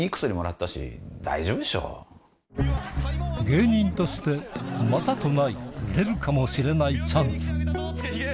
芸人としてまたとない売れるかもしれないチャンス付けひげ。